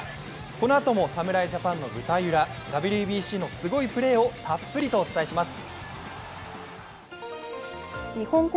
このあとも侍ジャパンの舞台裏ＷＢＣのすごいプレーをたっぷりとお伝えします。